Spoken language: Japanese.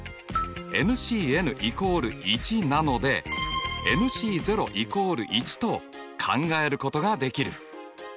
Ｃ＝１なのでＣ＝１と考えることができる。